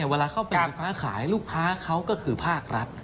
เวลาเข้าไปค้าขายลูกค้าเขาก็คือภาครัฐ